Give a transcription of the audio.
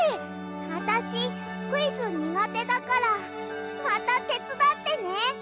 あたしクイズにがてだからまたてつだってね。